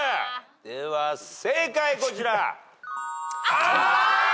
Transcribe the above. では正解こちら。